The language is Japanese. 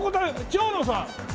長野さん。